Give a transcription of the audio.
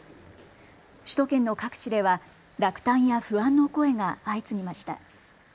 首都圏の各地では落胆や不安の声が相次ぎました。